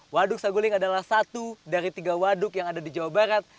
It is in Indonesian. waduk saguling adalah satu dari tiga waduk yang ada di jawa barat